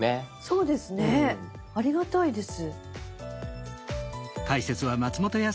そうですねありがたいです。